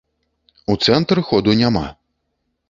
У цэнтр ходу няма.